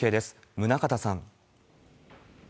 宗像さん。